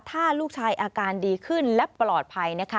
ถ้าลูกชายอาการดีขึ้นและปลอดภัยนะคะ